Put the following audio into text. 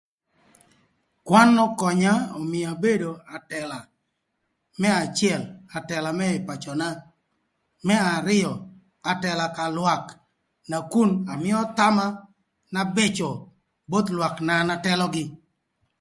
Kwan ökönya ömïö abedo atëla, më acël atëla më ïï pacöna, më arïö, atëla ka lwak. Nakun amïö thama na bëcö both lwak na an atëlögï.